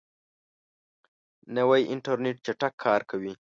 نوی انټرنیټ چټک کار کوي